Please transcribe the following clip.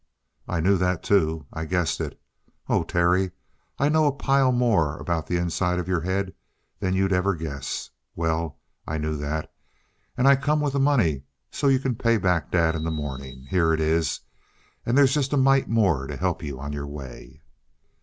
"I knew that, too I guessed it. Oh, Terry, I know a pile more about the inside of your head than you'd ever guess! Well, I knew that and I come with the money so's you can pay back Dad in the morning. Here it is and they's just a mite more to help you on your way."